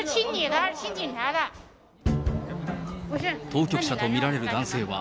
当局者と見られる男性は、